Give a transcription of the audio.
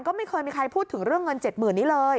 ก็ไม่เคยมีใครพูดถึงเรื่องเงิน๗๐๐นี้เลย